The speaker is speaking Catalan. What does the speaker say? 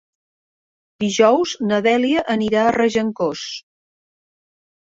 Dijous na Dèlia anirà a Regencós.